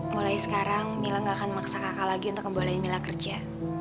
mulai sekarang mila gak akan memaksa kakak lagi untuk ngebolehin mila kerja